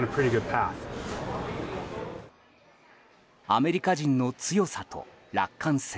アメリカ人の強さと楽観性。